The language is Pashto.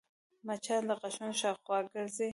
مچان د غاښونو شاوخوا ګرځي